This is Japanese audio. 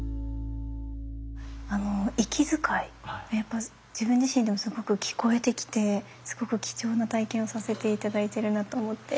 あの息遣いやっぱ自分自身でもすごく聞こえてきてすごく貴重な体験をさせて頂いてるなと思って。